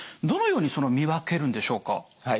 どのように見分けるんでしょうか？